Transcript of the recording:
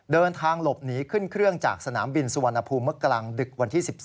เดินทางหลบหนีขึ้นเครื่องจากสนามบินสุวรรณภูมิเมื่อกลางดึกวันที่๑๒